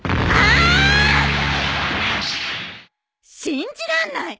信じらんない！